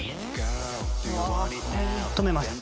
止めます。